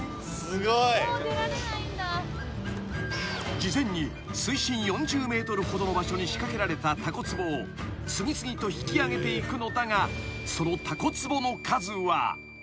［事前に水深４０ｍほどの場所に仕掛けられたタコつぼを次々と引き揚げていくのだがそのタコつぼの数は］